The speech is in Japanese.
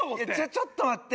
ちょっと待って。